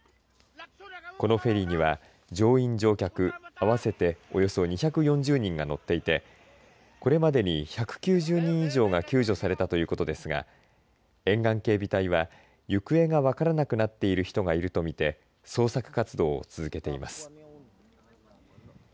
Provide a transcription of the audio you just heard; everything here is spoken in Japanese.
このフェリーには乗員乗客、合わせておよそ２４０人が乗っていてこれまでに１９０人以上が救助されたということですが沿岸警備隊は行方が分からなくなっている人がいると見て捜索活動を続けています。